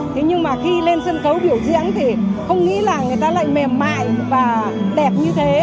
thế nhưng mà khi lên sân khấu biểu diễn thì không nghĩ là người ta lại mềm mại và đẹp như thế